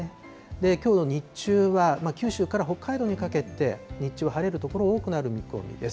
きょうの日中は、九州から北海道にかけて、日中は晴れる所、多くなる見込みです。